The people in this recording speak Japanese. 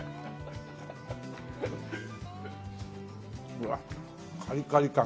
うわっカリカリ感が。